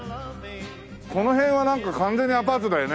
この辺はなんか完全にアパートだよね。